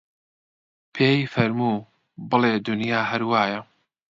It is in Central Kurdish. پێی فەرموو: بەڵێ دونیا هەر وایە